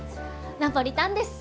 ナポリタンです！